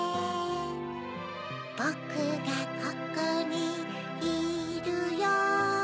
ぼくがここにいるよ